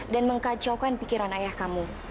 dan mengkacaukan pikiran ayah kamu